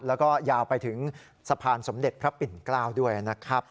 แล้วก็ยาวไปถึงสะพานสมเด็จพระปิ่นเกล้าด้วยนะครับ